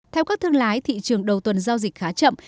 theo các thương lái thị trường đầu tuần giao dịch khá chậm